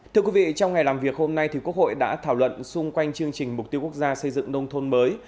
thưa quý vị trong ngày làm việc hôm nay quốc hội đã thảo luận xung quanh chương trình mục tiêu quốc gia xây dựng nông thôn mới